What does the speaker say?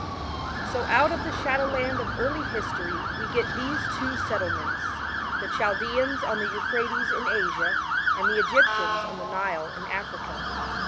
So out of the shadowland of early history we get these two settlements t*he Chaldeans on the Euphrates in Asia and the Egyptians on the Nile in Africa.